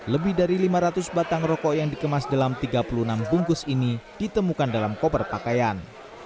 lebih dari lima ratus batang rokok yang dikemas dalam tiga puluh enam bungkus ini ditemukan dalam koper pakaian